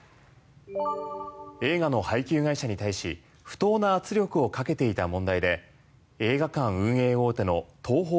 映画の配給会社に対し不当な圧力をかけていた問題で映画館運営大手のＴＯＨＯ